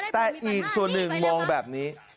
แต่อีกส่วนหนึ่งมองแบบนี้